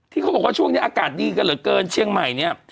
ที่เขาบอกว่าช่วงนี้อากาศดีกันหรือเกินเชียงใหม่